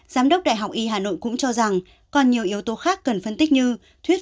giám đốc đại học y hà nội cũng cho rằng còn nhiều yếu tố khác cần phân tích như thuyết